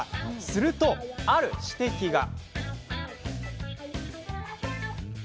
すると、ある指摘が。